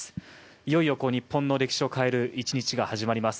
いよいよ日本の歴史を変える１日が始まります。